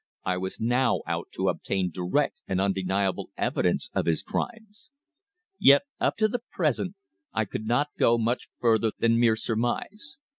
I was now out to obtain direct and undeniable evidence of his crimes. Yet up to the present I could not go much further than mere surmise.